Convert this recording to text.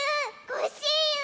コッシーユ！